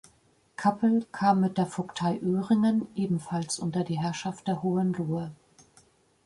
Cappel kam mit der Vogtei Öhringen ebenfalls unter die Herrschaft der Hohenlohe.